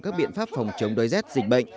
các biện pháp phòng chống đói rét dịch bệnh